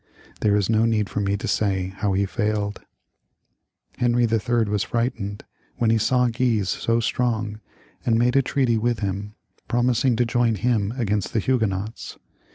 There is no need for me to say how he succeeded. Henry III. was frightened when he saw Guise so strong, and made a treaty with him, promising to join him against the Huguenots.